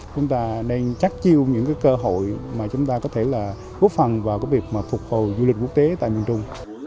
chúng ta đang chắc chiêu những cơ hội mà chúng ta có thể là góp phần vào việc phục hồi du lịch quốc tế tại miền trung